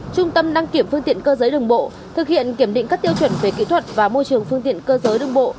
trung tâm đăng kiểm phương tiện cơ giới đường bộ thực hiện kiểm định các tiêu chuẩn về kỹ thuật và môi trường phương tiện cơ giới đường bộ